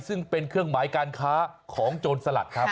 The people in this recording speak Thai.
ซึ่งเป็นเครื่องหมายการค้าของโจรสลัดครับ